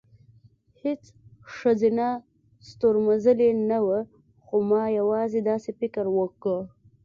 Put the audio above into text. هېڅ ښځینه ستورمزلې نه وه، خو ما یوازې داسې فکر وکړ،